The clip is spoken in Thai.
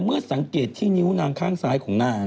เมื่อสังเกตที่นิ้วนางข้างซ้ายของนาง